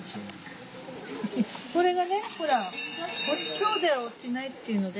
これがねほら落ちそうで落ちないっていうので。